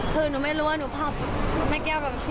แค่นู่นไม่รู้ว่าหนูภาพแม่แก้วกับพี่ณเดชน์